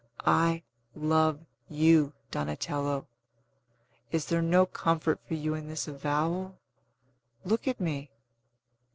I love you, Donatello! Is there no comfort for you in this avowal? Look at me!